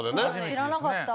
知らなかった。